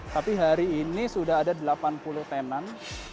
tapi hari ini sudah ada delapan puluh tenan